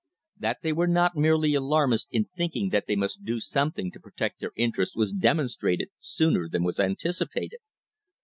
That they were not merely alarmists in think ing that they must do something to protect their interests was demonstrated sooner than was anticipated.